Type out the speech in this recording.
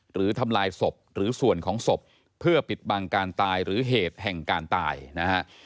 ทำลายศพหรือส่วนของศพเพื่อปิดบังการตายหรือเหตุแห่งการตายนะฮะ